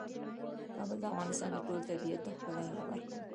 کابل د افغانستان د ټول طبیعت د ښکلا یوه برخه ده.